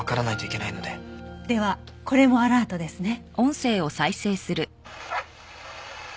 ではこれもアラートですね。